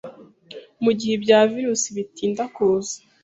mu gihe ibya virusi bitinda kuza,